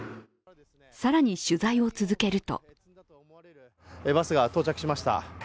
更に取材を続けるとバスが到着しました。